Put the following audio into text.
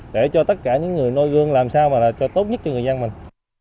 để cho tất cả những người nôi gương làm sao mà là cho tốt nhất cho người dân mình